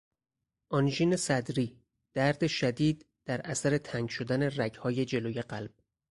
آنژین صدری، درد شدید در اثر تنگ شدن رگهای جلوی قلب